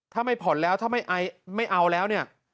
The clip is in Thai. ถ้าไม่ผ่อนแล้วถ้าไม่เอาแล้วเนี่ย